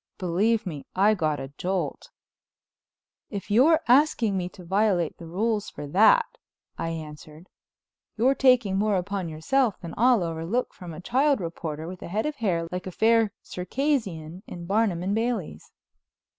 Believe me I got a jolt. "If you're asking me to violate the rules for that," I answered, "you're taking more upon yourself than I'll overlook from a child reporter with a head of hair like the Fair Circassian in Barnum & Bailey's."